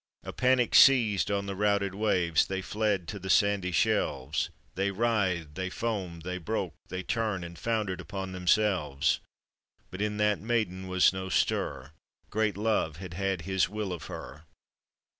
A panic seized on the routed waves : They fled to the sandy shelves, They writhed, they foamed, they broke, they turned, And foundered upon themselvet; But in that maiden was no stir; Great Love had had his will of her.